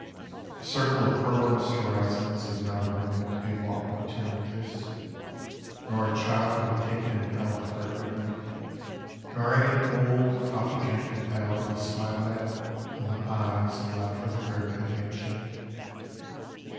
A circle of pearl mist horizons is not a woman to be walked up to and kissed, nor a child to be taken and held for a good night, nor any old coffee drinking pal to be smiled at in the eyes and left with a grip and a handshake.